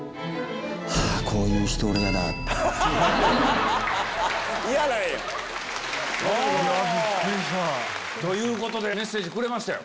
こういう人。ということでメッセージくれましたよ。